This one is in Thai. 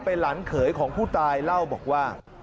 เป็นหลานเขยของผู้ตายเล่าบอกว่า